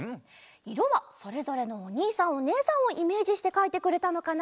いろはそれぞれのおにいさんおねえさんをイメージしてかいてくれたのかな。